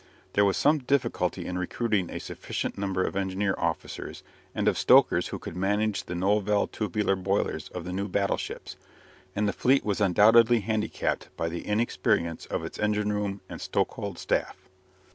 There was some difficulty in recruiting a sufficient number of engineer officers, and of stokers who could manage the novel tubular boilers of the new battleships, and the fleet was undoubtedly handicapped by the inexperience of its engine room and stokehold staff.